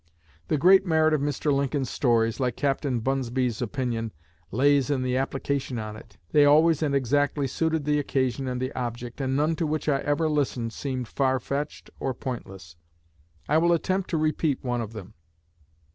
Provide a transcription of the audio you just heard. The great merit of Mr. Lincoln's stories, like Captain Bunsby's opinion, 'lays in the application on it.' They always and exactly suited the occasion and the object, and none to which I ever listened seemed far fetched or pointless. I will attempt to repeat one of them.